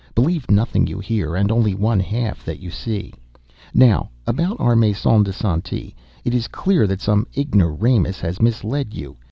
Believe nothing you hear, and only one half that you see. Now about our Maisons de Santé, it is clear that some ignoramus has misled you.